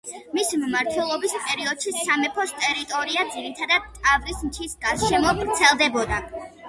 მისი მმართველობის პერიოდში სამეფოს ტერიტორია ძირითადად ტავრის მთის გარშემო ვრცელდებოდა.